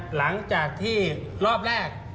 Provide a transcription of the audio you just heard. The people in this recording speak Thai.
หลังจากที่รอบแรก